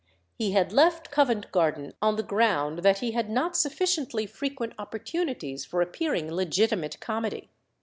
He had left Covent Garden on the ground that he had not sufficiently frequent opportunities for appearing in legitimate comedy.